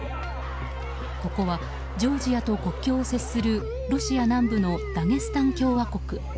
ここはジョージアと国境を接するロシア南部のダゲスタン共和国。